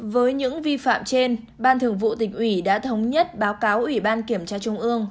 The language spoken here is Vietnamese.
với những vi phạm trên ban thường vụ tỉnh ủy đã thống nhất báo cáo ủy ban kiểm tra trung ương